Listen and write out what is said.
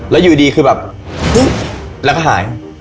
แล้วอยู่ดีคือแบบปุ๊บแล้วก็หาย